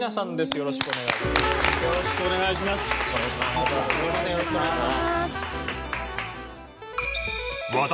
よろしくお願いします。